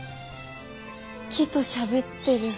木としゃべってる。